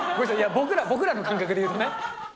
僕らの感覚で言うとね。